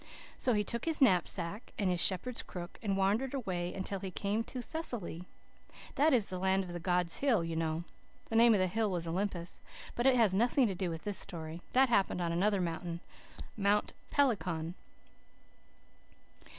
So he took his knapsack and his shepherd's crook, and wandered away until he came to Thessaly. That is the land of the gods' hill, you know. The name of the hill was Olympus. But it has nothing to do with this story. This happened on another mountain Mount Pelion.